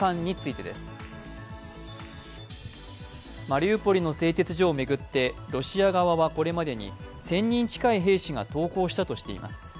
マリウポリの製鉄所を巡ってロシア側はこれまでに１０００人近い兵士が投降したとしています。